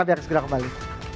kita segera kembali